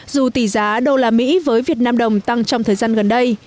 dù tỷ giá đô la mỹ với việt nam đồng tăng trong thời gian gần đây